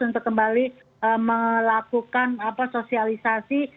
untuk kembali melakukan sosialisasi